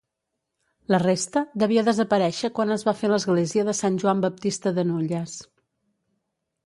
La resta devia desaparèixer quan es va fer l'església de Sant Joan Baptista de Nulles.